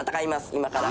今から」